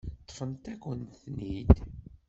Ṭṭfent-akent-ten-id.